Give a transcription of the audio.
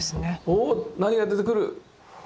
おっ何が出てくる？